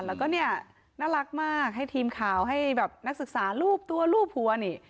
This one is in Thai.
แล้วก็เนี่ยน่ารักมากให้ทีมข่าวให้แบบนักศึกษารูปตัวรูปหัวนี่